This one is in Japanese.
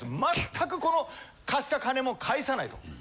全くこの貸した金も返さないと。